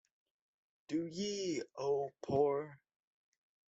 Do ye, oh, poor!